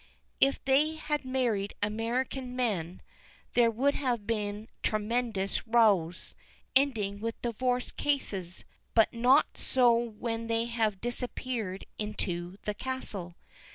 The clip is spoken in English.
If they had married American men there would have been tremendous rows, ending with divorce cases; but not so when they have disappeared into the castle.